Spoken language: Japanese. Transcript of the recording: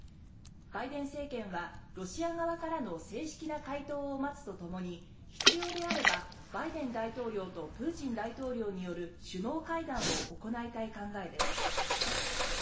バイデン政権はロシア側からの正式な回答を待つとともに必要であればバイデン大統領とプーチン大統領による首脳会談を行いたい考えです。